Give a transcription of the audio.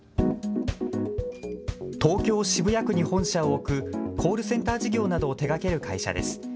東京・渋谷区に本社を置くコールセンター事業などを手がける会社です。